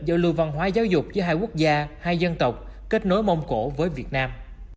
giao lưu văn hóa giáo dục giữa hai quốc gia hai dân tộc kết nối mông cổ với việt nam